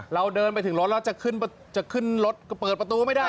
เราเดินไปถึงรถแล้วจะขึ้นรถก็เปิดประตูไม่ได้